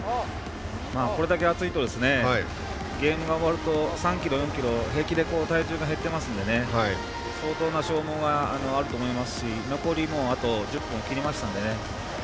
これだけ暑いとゲームが終わると３ｋｇ、４ｋｇ平気で体重が減っていますので相当な消耗があると思いますし残り、あと１０分を切りましたので。